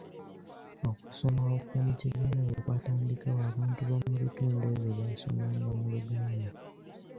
Okusoma okw'omu kibiina bwe kwatandikawo abantu ab'omu bitundu ebyo baasomanga mu Luganda.